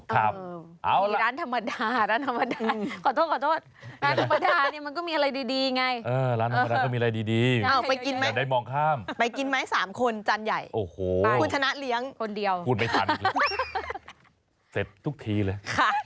ไปกินไม้๓คนจันทร์ใหญ่คุณชนะเลี้ยงคนเดียวคุณไม่ทันอีกเลยเสร็จทุกทีเลย